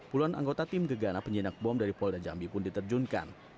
puluhan anggota tim gegana penjinak bom dari polda jambi pun diterjunkan